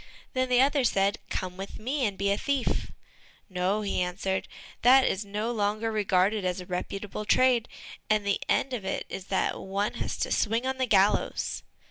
Then the other said, "Come with me, and be a thief." "No," he answered, "that is no longer regarded as a reputable trade, and the end of it is that one has to swing on the gallows."